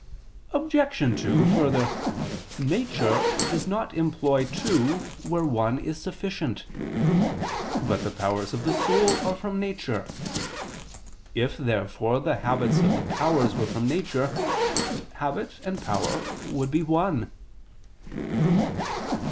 Obj. 2: Further, nature does not employ two where one is sufficient. But the powers of the soul are from nature. If therefore the habits of the powers were from nature, habit and power would be one.